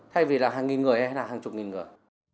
thay vì là hàng nghìn người hay là hàng chục nghìn người